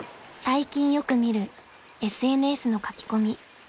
［最近よく見るＳＮＳの書き込み］